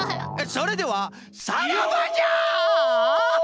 それではさらばじゃ！